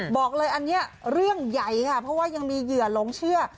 บอกเลยอันนี้เรื่องใหญ่ค่ะเพราะว่ายังมีเหยื่อหลงเชื่อ